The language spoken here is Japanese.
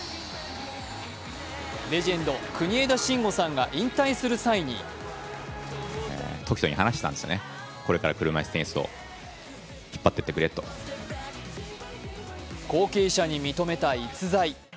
レジェンド・国枝慎吾さんが引退する際に後継者に認めた逸材。